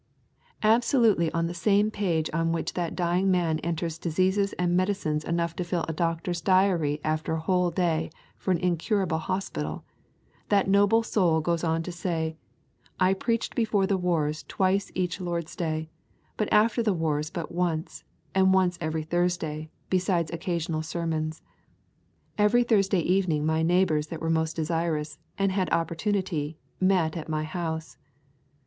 Absolutely on the same page on which that dying man enters diseases and medicines enough to fill a doctor's diary after a whole day in an incurable hospital, that noble soul goes on to say: 'I preached before the wars twice each Lord's Day, but after the wars but once, and once every Thursday, besides occasional sermons. Every Thursday evening my neighbours that were most desirous, and had opportunity, met at my house.